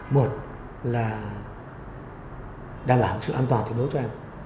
một là đảm bảo sự an toàn cho đối với em